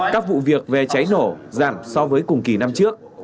các vụ việc về cháy nổ giảm so với cùng kỳ năm trước